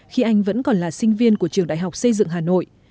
khi anh vẫn còn là sinh viên của trường đại học xây dựng hà nội